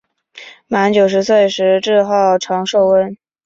满九十岁时自号长寿翁。